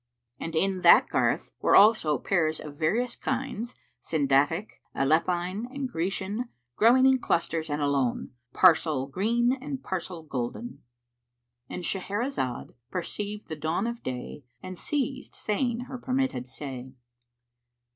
And in that garth were also pears of various kinds Sinaďtic,[FN#395] Aleppine and Grecian growing in clusters and alone, parcel green and parcel golden.—And Shahrazad perceived the dawn of day and ceased saying her permitted say.